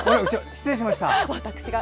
失礼しました。